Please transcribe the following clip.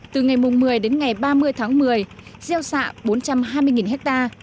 từ ngày một mươi đến ngày ba mươi tháng một mươi gieo xạ bốn trăm hai mươi ha